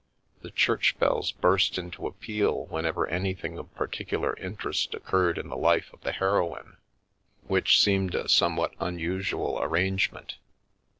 The church bells burst into a peal whenever anything of par ticular interest occurred in the life of the heroine, which seems a somewhat unusual arrangement.